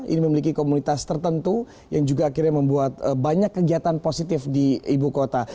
ini memiliki komunitas tertentu yang juga akhirnya membuat banyak kegiatan positif di ibu kota